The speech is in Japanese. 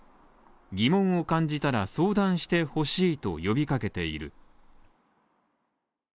疑問を感じたら相談してほしいと呼びかけている。